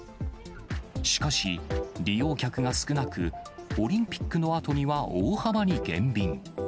しかし、利用客が少なく、オリンピックのあとには大幅に減便。